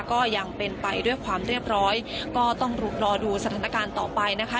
ก็ยังเป็นไปด้วยความเรียบร้อยก็ต้องรอดูสถานการณ์ต่อไปนะคะ